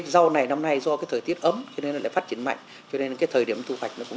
xin ông cho biết nguyên nhân của điều này là gì